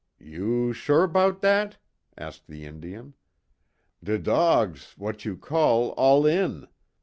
"You sure 'bout dat'?." asked the Indian. "De dogs, w'at you call, all in.